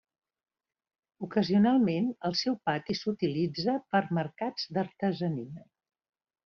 Ocasionalment el seu pati s'utilitza per mercats d'artesania.